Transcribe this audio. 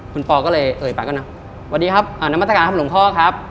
คุณปอก็เลยเอ่ยไปก่อนนะสวัสดีครับน้ำมาตรการครับหลวงพ่อครับ